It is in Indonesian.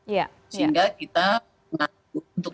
sehingga kita untuk